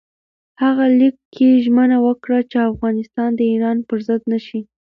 هغه لیک کې ژمنه وکړه چې افغانستان د ایران پر ضد نه شي.